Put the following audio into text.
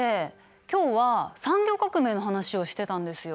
今日は産業革命の話をしてたんですよ。